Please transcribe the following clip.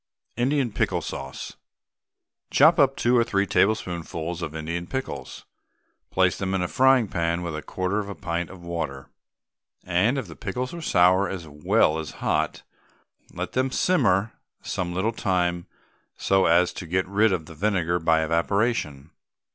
INDIAN PICKLE SAUCE. Chop up two or three tablespoonfuls of Indian pickles, place them in a frying pan with a quarter of a pint of water, and if the pickles are sour as well as hot, let them simmer some little time so as to get rid of the vinegar by evaporation.